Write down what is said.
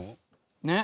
ねっ。